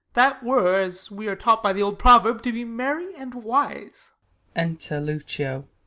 That were, as we are taught by the old proverb, To be merry and wise. Enter Lucio.